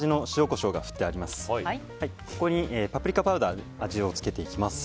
ここにパプリカパウダーで味をつけていきます。